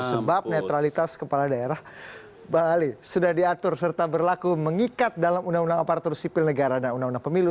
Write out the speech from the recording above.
sebab netralitas kepala daerah bang ali sudah diatur serta berlaku mengikat dalam undang undang aparatur sipil negara dan undang undang pemilu